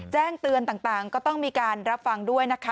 แจ้งเตือนต่างก็ต้องมีการรับฟังด้วยนะคะ